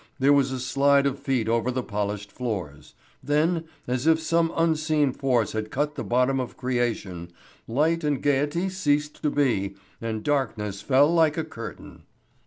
There was a slide of feet over the polished floors. Then, as if some unseen force had cut the bottom of creation, light and gaiety ceased to be, and darkness fell like a curtain.